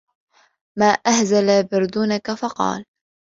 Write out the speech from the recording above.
مَا أَهْزَلَ بِرْذَوْنَك ؟ فَقَالَ